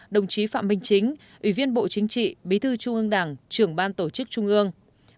đồng chí phạm minh chính ủy viên bộ chính trị bí thư trung ương đảng trưởng ban tổ chức trung ương